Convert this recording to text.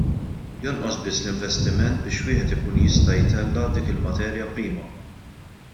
Jonqos biss l-investiment biex wieħed ikun jista' jtella' dik il-materja prima!